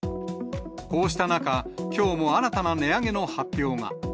こうした中、きょうも新たな値上げの発表が。